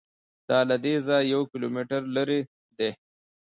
دا له دې ځایه یو کیلومتر لرې دی.